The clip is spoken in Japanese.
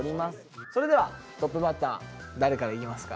それではトップバッター誰からいきますか？